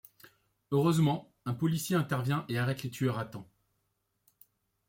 Heureusement, un policier intervient et arrête les tueurs à temps.